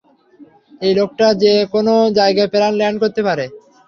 এই লোকটা যে কোনও জায়গায় প্ল্যান ল্যান্ড করাতে পারে!